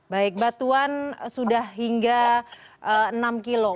baik batuan sudah hingga enam kilo